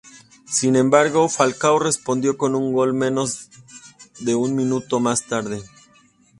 Sin embargo, Falcao respondió con un gol menos de un minuto más tarde.